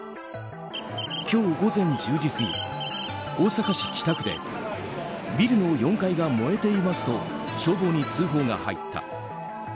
今日午前１０時過ぎ大阪市北区でビルの４階が燃えていますと消防に通報が入った。